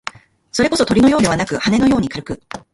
それこそ、鳥のようではなく、羽毛のように軽く、